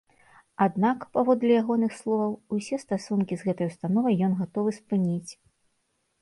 Аднак, паводле ягоных словаў, усе стасункі з гэтай установай ён гатовы спыніць.